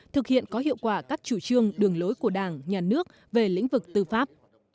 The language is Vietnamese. thực hiện có hiệu quả các chủ trương đường lối của đảng nhà nước về lĩnh vực tư pháp